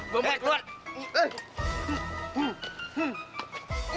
gue mau keluar